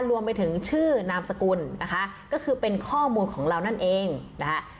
รวมไปถึงชื่อนามสกุลนะคะก็คือเป็นข้อมูลของเรานั่นเองนะคะ